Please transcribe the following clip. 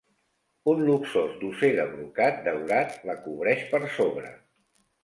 Un luxós dosser de brocat daurat la cobreix per sobre.